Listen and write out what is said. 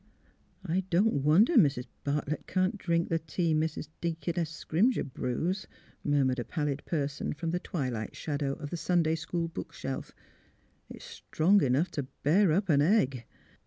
*' I don't wonder, Mis' Bartlett can't drink the tea Mis' Deaconess Scrimger brews," murmured a pallid person from the twilight shadow of the Sunday school book shelf. '' It's strong enough to bear up an egg.''